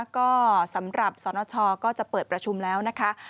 ก็สำหรับสนชก็จะเปิดประชุมแล้วนะคะ